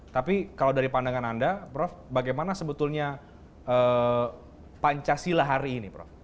tapi kalau dari pandangan anda prof bagaimana sebetulnya pancasila hari ini prof